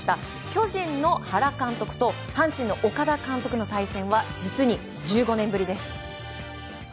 巨人の原監督と阪神の岡田監督の対戦は実に１５年ぶりです。